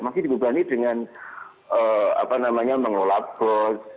masih dibebani dengan mengolah bos